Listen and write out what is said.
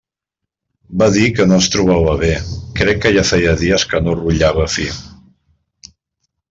Va dir que no es trobava bé, crec que ja feia dies que no rutllava fi.